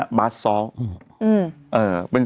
มีสารตั้งต้นเนี่ยคือยาเคเนี่ยใช่ไหมคะ